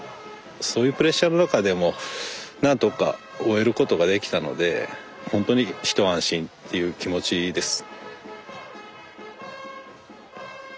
そういうプレッシャーの中でも何とか終えることができたのでほんとに一安心っていう気持ちです。